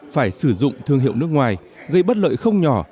phải sử dụng thương hiệu nước ngoài gây bất lợi không nhỏ